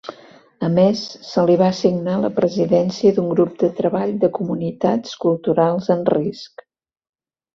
A més, se li va assignar la presidència d'un grup de treball de comunitats culturals en risc.